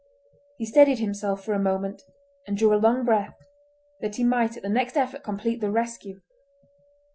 He steadied himself for a moment, and drew a long breath, that he might at the next effort complete the rescue.